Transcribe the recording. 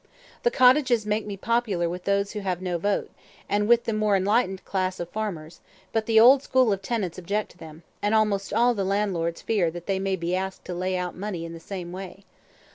The cottages make me popular with those who have no votes, and with the more enlightened class of farmers, but the old school of tenants object to them, and almost all the landlords fear that they may be asked to lay out money in the same way.